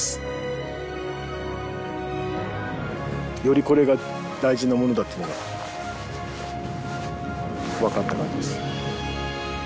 よりこれが大事なものだっていうのが分かった感じです。